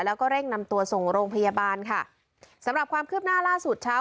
แล้วก็เร่งนำตัวส่งโรงพยาบาลค่ะสำหรับความคืบหน้าล่าสุดเช้า